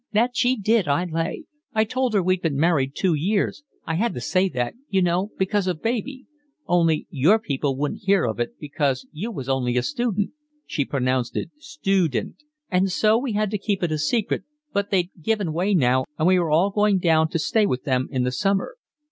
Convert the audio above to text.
"That she did, I lay. I told her we'd been married two years—I had to say that, you know, because of baby—only your people wouldn't hear of it, because you was only a student"—she pronounced it stoodent—"and so we had to keep it a secret, but they'd given way now and we were all going down to stay with them in the summer."